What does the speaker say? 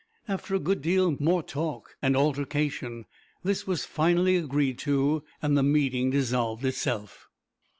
After a good deal more talk and altercation this was finally agreed to, and the meeting dissolved itself.